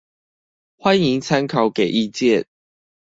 歡迎參考給意見